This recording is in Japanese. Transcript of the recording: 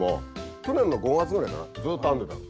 去年の５月ぐらいかなずっと編んでたの。